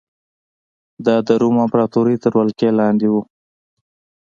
دا د روم امپراتورۍ تر ولکې لاندې و